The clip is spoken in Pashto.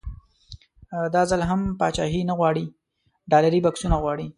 دا ځل هم پاچاهي نه غواړي ډالري بکسونه غواړي.